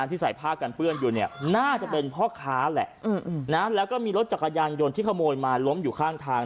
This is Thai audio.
ที่ใส่ผ้ากันเปื้อนอยู่เนี่ยน่าจะเป็นพ่อค้าแหละแล้วก็มีรถจักรยานยนต์ที่ขโมยมาล้มอยู่ข้างทาง